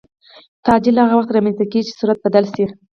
تعجیل هغه وخت رامنځته کېږي چې سرعت بدل شي.